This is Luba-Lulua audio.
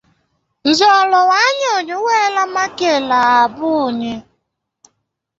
Nzolo wanyi udi wela makele abunyi.